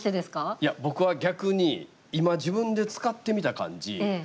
いや僕は逆に今自分で使ってみた感じ